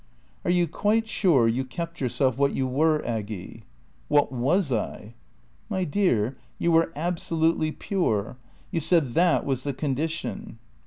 "Are you quite sure you kept yourself what you were, Aggy?" "What was I?" "My dear you were absolutely pure. You said that was the condition."